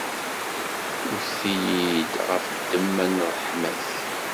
Mmekti-yi-d ɣef ddemma n ṛṛeḥma-k.